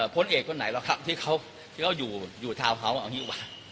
พ้นเอกคนไหนหรอกครับที่เขาที่เขาอยู่อยู่ทาวเขาเอาอย่างงี้กว่า